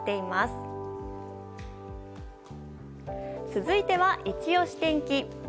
続いては、いちオシ天気。